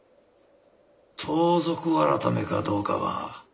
盗賊改かどうかは。